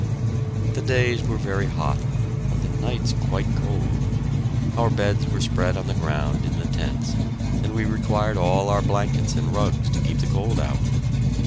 The days were very hot, but the nights quite cold. Our beds were spread on the ground in the tents, and we required all our blankets and rugs to keep the cold out.